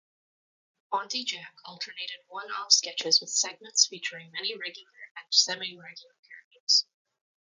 "Aunty Jack" alternated one-off sketches with segments featuring many regular and semi-regular characters.